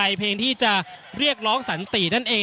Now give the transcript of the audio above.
อย่างที่บอกไปว่าเรายังยึดในเรื่องของข้อ